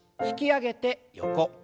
引き上げて横。